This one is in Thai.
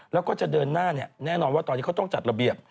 แล้วก็จะเดินหน้าแน่นอนว่าตอนนี้เขาต้องจัดระเบียบ